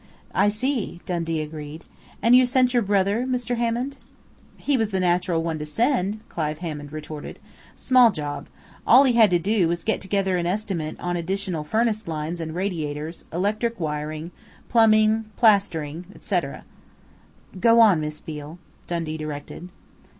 "I see," Dundee agreed. "And you sent your brother, Mr. Hammond?" "He was the natural one to send," Clive Hammond retorted. "Small job. All he had to do was to get together an estimate on additional furnace lines and radiators, electric wiring, plumbing, plastering, etc." "Go on, Miss Beale," Dundee directed.